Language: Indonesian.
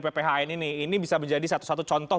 pphn ini ini bisa menjadi satu satu contoh